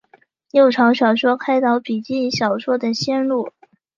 六朝小说开导笔记小说的先路。